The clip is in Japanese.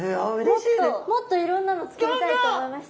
もっともっといろんなの作りたいと思いました。